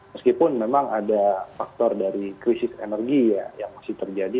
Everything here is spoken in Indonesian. meskipun memang ada faktor dari krisis energi ya yang masih terjadi